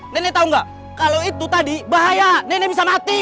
nenek tahu nggak kalau itu tadi bahaya nenek bisa mati